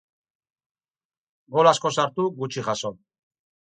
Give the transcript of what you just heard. Gol asko sartu, gutxi jaso.